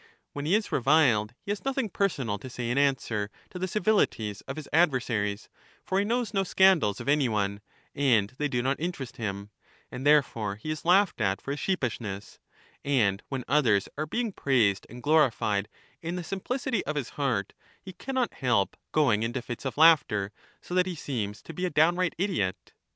When he is^revilgd, he has nothing personal to in public lay m answer to the civilities of his adversaries, for he knows no scandals of any one, and they do not interest him ; and therefore he is laughed at for his sheepishness ; and when others are being praised and glorified, in the simplicity of his heart he cannot help going into fits of laughter, so that he seems to be a downright idiot.